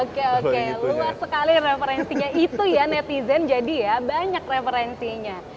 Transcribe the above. oke oke luas sekali referensinya itu ya netizen jadi ya banyak referensinya